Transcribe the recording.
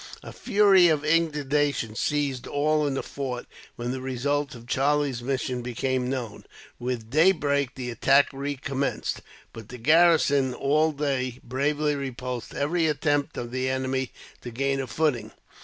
A fury of indignation seized all in the fort, when the result of Charlie's mission became known. With daybreak the attack recommenced; but the garrison, all day, bravely repulsed every attempt of the enemy to gain a footing.